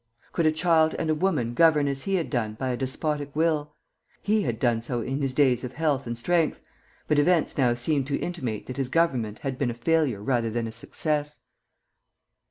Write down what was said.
Could a child and a woman govern as he had done by a despotic will? He had done so in his days of health and strength; but events now seemed to intimate that his government had been a failure rather than a success.